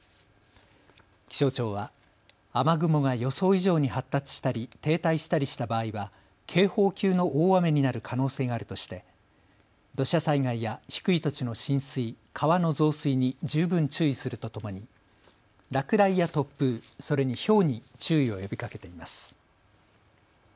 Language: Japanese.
気象庁は雨雲が予想以上に発達したり停滞したりした場合は警報級の大雨になる可能性があるとして土砂災害や低い土地の浸水、川の増水に十分注意するとともに落雷や突風、それにひょうに注意を呼びかけています。